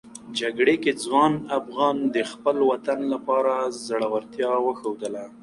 جګړې کې ځوان افغانان د خپل وطن لپاره زړورتیا وښودله.